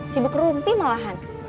sibuk kerumpi malahan